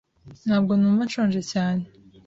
Ntabwo numva nshonje cyane.